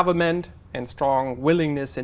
và những người